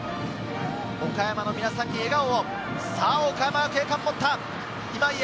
岡山の皆さんに笑顔を。